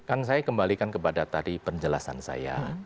kan saya kembalikan kepada tadi penjelasan saya